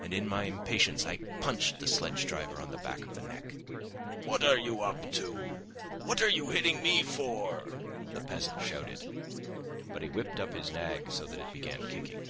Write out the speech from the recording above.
And in my impatience I punched the sledge driver on the back of the neck. "What are you up to? What are you hitting me for?" the peasant shouted, but he whipped up his nag so that it began kicking.